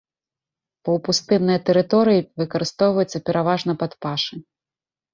Паўпустынныя тэрыторыі выкарыстоўваюць пераважна пад пашы.